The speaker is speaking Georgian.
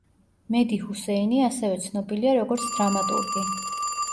მედი ჰუსეინი ასევე ცნობილია როგორც დრამატურგი.